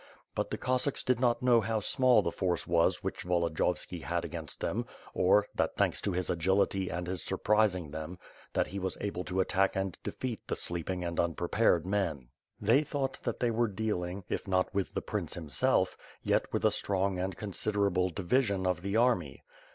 But the Cossacks did not know how small the force was which Volodiyovski had against them, or, that thanks to his agility and his surprising them, that he was able to attack and defeat the sleeping and unprepared men. They thought that they were dealing, if not with the prince himself, yet with a strong and considerable division of the army.